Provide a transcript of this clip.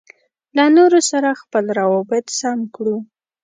له نورو سره خپل روابط سم کړو.